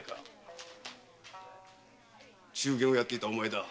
中間をやっていたお前だ。